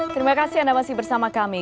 terima kasih anda masih bersama kami